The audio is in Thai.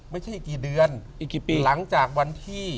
ไม่ใช่อีกกี่เดือนหลังจากวันที่